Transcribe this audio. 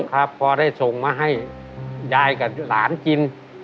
พอได้ส่งมาให้ยายกับหลานกิน